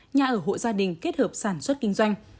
nhà ở hộ gia đình kết hợp sản xuất kinh doanh